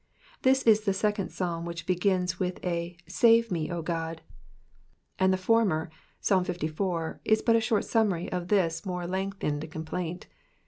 This is the second Psalm which begins with a " Save me, O God," and the former (Ps. liv.) is but a short summary of this more lengthened complaint.